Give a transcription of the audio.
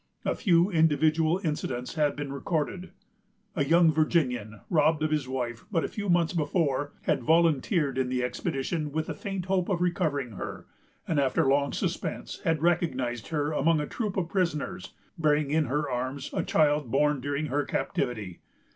A few individual incidents have been recorded. A young Virginian, robbed of his wife but a few months before, had volunteered in the expedition with the faint hope of recovering her; and, after long suspense, had recognized her among a troop of prisoners, bearing in her arms a child born during her captivity.